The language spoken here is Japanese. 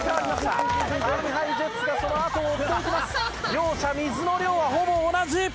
両者水の量はほぼ同じ！